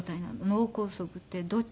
脳梗塞ってどっち？